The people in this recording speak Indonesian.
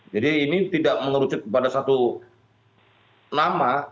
jadi ini tidak mengerucut kepada satu nama